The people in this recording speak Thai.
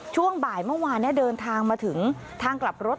ช่วงบ่ายเมื่อวานเดินทางมาถึงทางกลับรถ